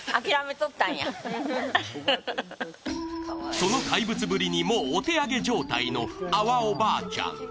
その怪物ぶりに、もうお手上げ状態の阿波おばあちゃん。